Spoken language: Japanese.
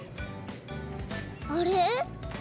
あれ？